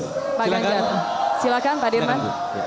pak ganjar silakan pak dirman